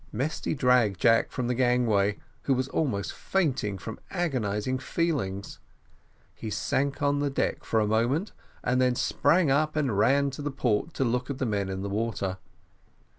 Mesty dragged Jack from the gangway, who was now nearly fainting from agonising feelings. He sank on the deck for a moment, and then sprang up and ran to the port to look at the men in the water.